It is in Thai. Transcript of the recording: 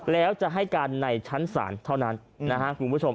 แล้วจะให้การในชั้นศาลเท่านั้นนะครับคุณผู้ชม